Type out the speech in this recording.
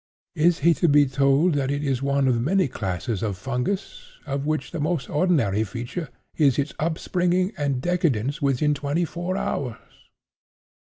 Is he to be told that it is one of the many classes of fungus, of which the most ordinary feature is its upspringing and decadence within twenty four hours?